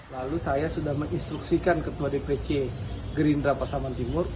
lalu saya sudah menginstruksikan ketua dpc gerindra pasaman timur